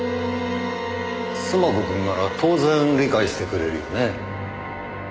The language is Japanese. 須磨子くんなら当然理解してくれるよね？